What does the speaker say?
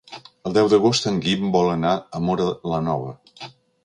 El deu d'agost en Guim vol anar a Móra la Nova.